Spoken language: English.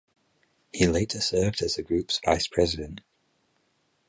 He later served as the group's vice-president.